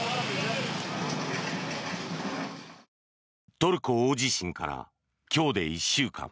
トルコ大地震から今日で１週間。